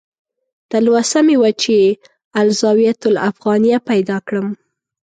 تلوسه مې وه چې "الزاویة الافغانیه" پیدا کړم.